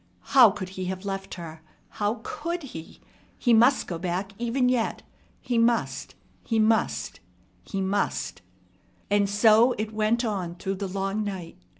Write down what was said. How could he have left her? How could he? He must go back even yet. He must, he must, he must! And so it went on through the long night.